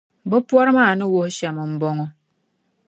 Bɛ pɔri maa ni wuhi shɛm m-bɔŋɔ: